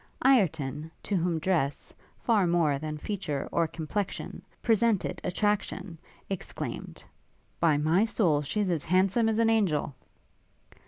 Ireton, to whom dress, far more than feature or complexion, presented attraction, exclaimed, 'By my soul, she's as handsome as an angel!'